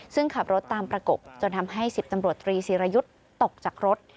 ซึ่งขับรถตามประกบจนทำให้๑๐ตำรวจตรีศิรยุทธ์ตกจากรถ